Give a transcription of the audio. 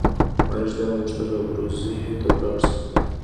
ما رښتیا هم غوښتل ابروزي ته ولاړ شم.